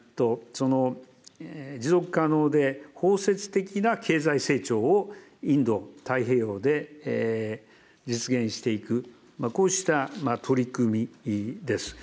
持続可能で包摂的な経済成長をインド太平洋で実現していく、こうした取り組みです。